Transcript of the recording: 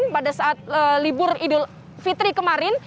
pada saat libur idul fitri kemarin